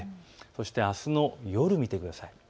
そして、あすの夜を見てください。